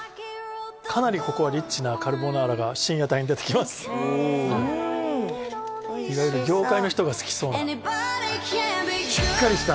かなりここはリッチなカルボナーラが深夜帯に出てきますへえいわゆる業界の人が好きそうなはいしっかりした？